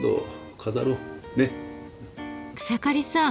草刈さん